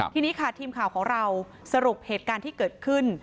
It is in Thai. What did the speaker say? ทีนี้ค่ะทีมข่าวของเราสรุปเหตุการณ์ที่เกิดขึ้น